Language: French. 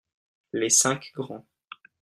Les cinq grands.